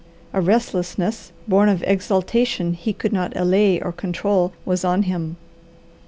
A restlessness, born of exultation he could not allay or control, was on him.